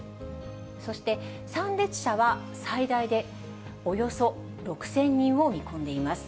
そして参列者は最大でおよそ６０００人を見込んでいます。